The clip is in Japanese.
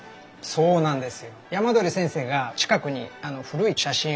そうなんです。